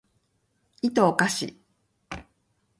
いとをかし